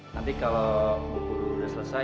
nanti kalau buku sudah selesai